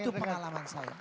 itu pengalaman saya